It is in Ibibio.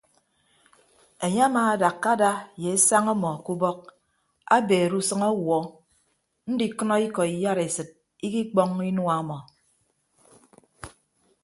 Enye amaadakka ada ye esañ ọmọ ke ubọk abeere usʌñ awuọ ndikʌnọ ikọ iyaresịt ikikpọññọ inua ọmọ.